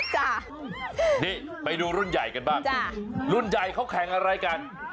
จ้ะนี่ไปดูรุ่นใหญ่กันบ้างรุ่นใหญ่เขาแข่งอะไรกัน